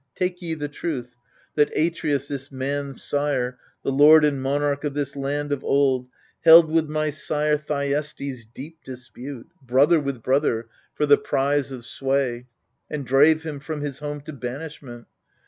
Take ye the truth, that Atreus, this man's sire, The lord and monarch of this land of old, Held with my sire Thyestes deep dispute. Brother with brother, for the prize of sway. And drave him from his home to banishment.